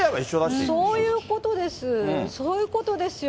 そういうことです、そういうことですよ。